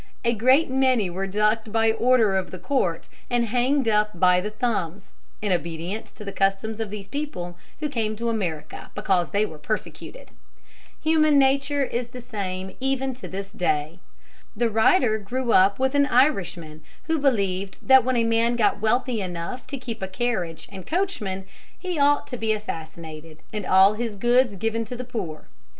A great many were ducked by order of the court and hanged up by the thumbs, in obedience to the customs of these people who came to America because they were persecuted. [Illustration: IRISHMAN WHO, WHEN POOR, WAS DOWN ON RICH PEOPLE.] Human nature is the same even to this day. The writer grew up with an Irishman who believed that when a man got wealthy enough to keep a carriage and coachman he ought to be assassinated and all his goods given to the poor.